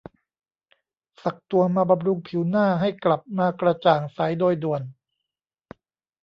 สักตัวมาบำรุงผิวหน้าให้กลับมากระจ่างใสโดยด่วน